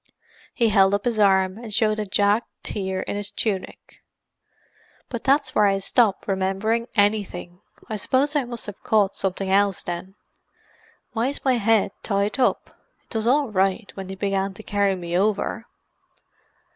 He held up his arm, and showed a jagged tear in his tunic. "But that's where I stop remembering anything. I suppose I must have caught something else then. Why is my head tied up? It was all right when they began to carry me over."